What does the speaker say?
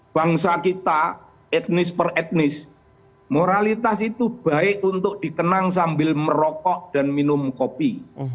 bangsa kita etnis per etnis moralitas itu baik untuk dikenang sambil merokok dan minum kopi